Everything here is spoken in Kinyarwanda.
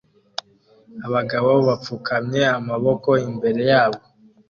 abagabo bapfukamye amaboko imbere yabo